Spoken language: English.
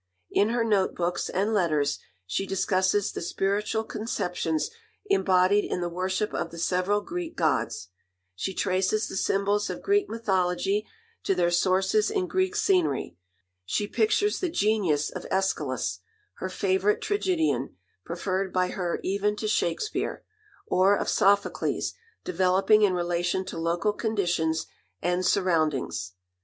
In her note books and letters she discusses the spiritual conceptions embodied in the worship of the several Greek gods; she traces the symbols of Greek mythology to their sources in Greek scenery; she pictures the genius of Aeschylus (her favourite tragedian, preferred by her even to Shakespeare) or of Sophocles developing in relation to local conditions and surroundings.